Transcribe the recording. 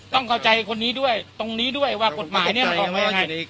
ต้องเข้าใจคนนี้ด้วยตรงนี้ด้วยว่ากฎหมายเนี่ยมันออกมายังไง